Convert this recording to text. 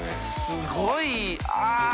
すごい！あっ。